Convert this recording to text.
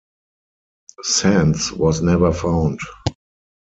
Sands was never found.